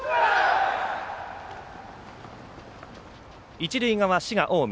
一塁側、滋賀、近江。